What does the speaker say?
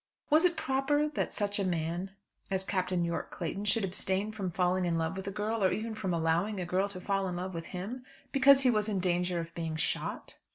Was it proper that such a man as Captain Yorke Clayton should abstain from falling in love with a girl, or even from allowing a girl to fall in love with him because he was in danger of being shot?